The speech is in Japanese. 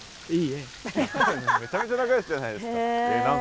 めちゃめちゃ仲よしじゃないですか。